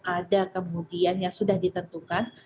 ada kemudian yang sudah ditentukan